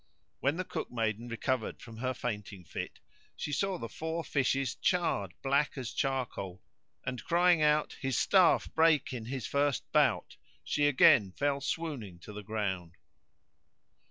When the cook maiden recovered from her fainting fit, she saw the four fishes charred black as charcoal, and crying out, "His staff brake in his first bout,"[FN#107] she again fell swooning to the ground.